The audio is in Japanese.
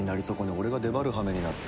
俺が出張る羽目になった。